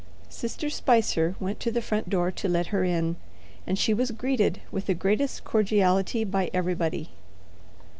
Sister Spicer went to the front door to let her in, and she was greeted with the greatest cordiality by everybody.